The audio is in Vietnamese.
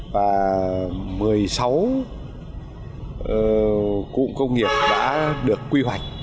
và một mươi sáu cụm công nghiệp đã được quy hoạch